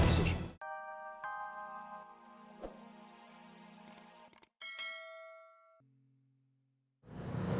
lara mau tunggu ibu